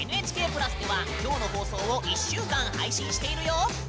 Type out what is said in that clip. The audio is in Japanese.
「ＮＨＫ＋」ではきょうの放送を１週間配信しているよ。